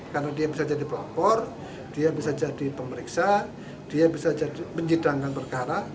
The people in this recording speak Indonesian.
karena dia bisa jadi pelapor dia bisa jadi pemeriksa dia bisa menjadi penjidangkan perkara